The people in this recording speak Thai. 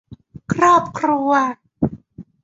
ครอบครัว